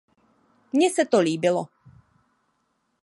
Mně se to líbilo.